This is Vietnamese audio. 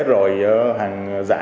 rồi hàng giả